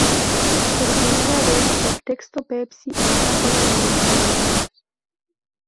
Por primera vez el texto Pepsi está fuera de los remolinos.